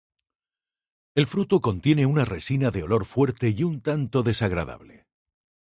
El fruto contiene una resina de olor fuerte y un tanto desagradable.